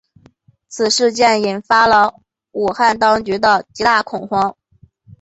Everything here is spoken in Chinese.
此次事件引起了武汉当局的极大恐慌。